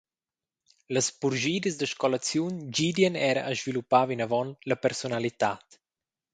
Las purschidas da scolaziun gidien era a sviluppar vinavon la persunalitad.